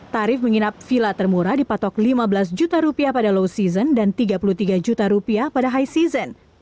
tarif menginap villa termurah dipatok lima belas juta rupiah pada low season dan tiga puluh tiga juta rupiah pada high season